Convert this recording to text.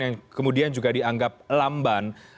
yang kemudian juga dianggap lamban